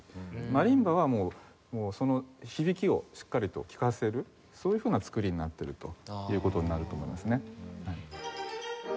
マリンバはもうその響きをしっかりと聴かせるそういうふうな造りになってるという事になると思いますね。